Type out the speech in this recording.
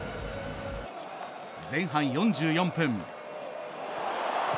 前半４４分。